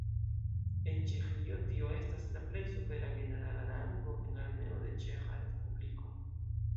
En Ĉeĥio tio estas la plej supera generala rango en Armeo de Ĉeĥa respubliko.